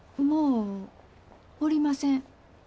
もうおりません。